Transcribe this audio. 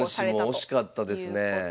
男子も惜しかったですね。